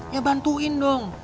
ya bantuin dong